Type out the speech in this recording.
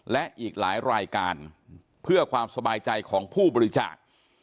และอีกหลายรายการเพื่อความสบายใจของผู้บริจาค